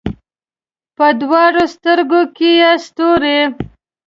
په دواړو سترګو کې یې ستوري